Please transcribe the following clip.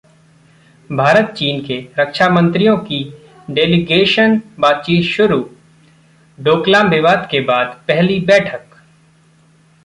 भारत-चीन के रक्षामंत्रियों की डेलिगेशन बातचीत शुरू, डोकलाम विवाद के बाद पहली बैठक